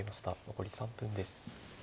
残り３分です。